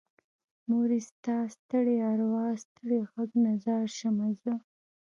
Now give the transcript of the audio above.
مورې ستا ستړي ارواه ستړې غږ نه ځار شمه زه